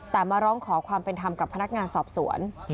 แต่มาร้องขอความเป็นธรรมกับพนักงานสอบสวน